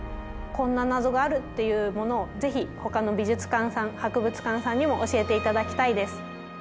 こんなナゾがあるっていうものをぜひほかの美術館さん博物館さんにも教えて頂きたいです。